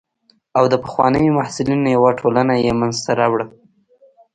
او د پخوانیو محصلینو یوه ټولنه یې منځته راوړه.